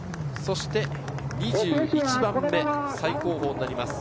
２１番目、最後方になります